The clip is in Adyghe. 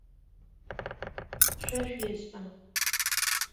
Шъо шъуещэ.